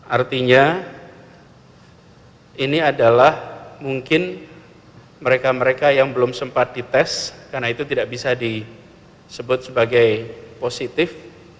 artinya ini adalah mungkin mereka mereka yang belum sempat dites karena itu tidak bisa disebut sebagai positif